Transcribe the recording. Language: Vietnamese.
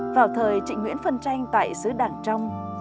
vào thời trịnh nguyễn phân tranh tại sứ đảng trong